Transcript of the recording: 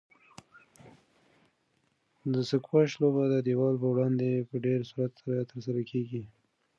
د سکواش لوبه د دیوال په وړاندې په ډېر سرعت سره ترسره کیږي.